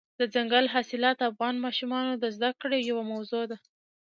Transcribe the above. دځنګل حاصلات د افغان ماشومانو د زده کړې یوه موضوع ده.